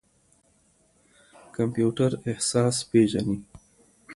کمپيوټر احساس پېژني.